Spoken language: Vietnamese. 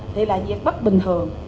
thì là việc bất bình thường